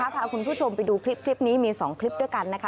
พาคุณผู้ชมไปดูคลิปนี้มี๒คลิปด้วยกันนะคะ